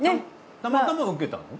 たまたま受けたの？